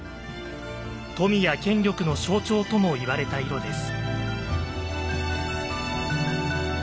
富や権力の象徴ともいわれた色です。